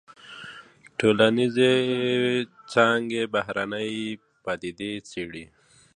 ټولي ټولنيزي څانګي بهرنۍ پديدې څېړي.